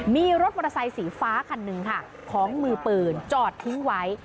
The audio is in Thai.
มีรถมอเตอร์ไซค์สีฟ้าคันหนึ่งค่ะของมือปืนจอดทิ้งไว้